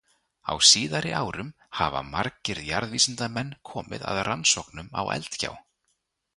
Á síðari árum hafa margir jarðvísindamenn komið að rannsóknum á Eldgjá.